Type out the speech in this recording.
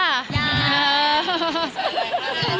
ขอบคุณค่ะ